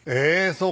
そう。